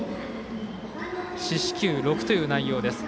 四死球６という内容です。